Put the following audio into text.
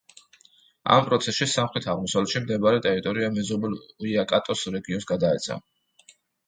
ამ პროცესში, სამხრეთ-აღმოსავლეთში მდებარე ტერიტორია მეზობელ უაიკატოს რეგიონს გადაეცა.